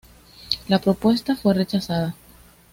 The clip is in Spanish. La propuesta fue rechazada.